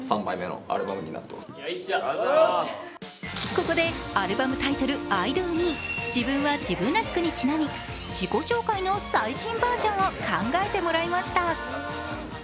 ここでアルバムタイトル「ｉＤＯＭＥ」、自分は自分らしくにちなみ、自己紹介の最新バージョンを考えてもらいました。